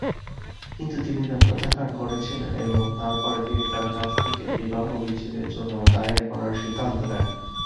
কিন্তু তিনি তা প্রত্যাখ্যান করেছিলেন এবং তারপরে তিনি তাঁর কাছ থেকে বিবাহ বিচ্ছেদের জন্য দায়ের করার সিদ্ধান্ত নেন।